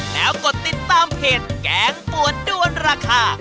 แล้วกดติดตามเพจแกงปวดด้วนราคา